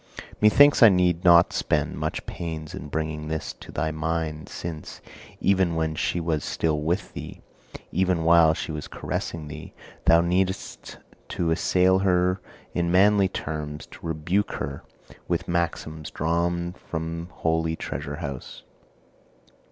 Methinks I need not spend much pains in bringing this to thy mind, since, even when she was still with thee, even while she was caressing thee, thou usedst to assail her in manly terms, to rebuke her, with maxims drawn from my holy treasure house.